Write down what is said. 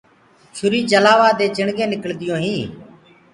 چوري چلآوآ دي چِڻگينٚ نِڪݪديونٚ هينٚ۔